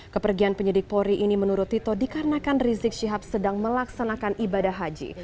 kepergian penyidik polri ini menurut tito dikarenakan rizik syihab sedang melaksanakan ibadah haji